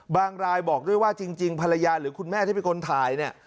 บางรายบอกด้วยว่าจริงคุณแม่ที่ไปถ่าย